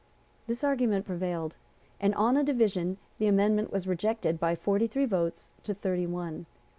This argument prevailed; and, on a division, the amendment was rejected by forty three votes to thirty one.